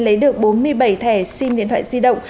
lấy được bốn mươi bảy thẻ sim điện thoại di động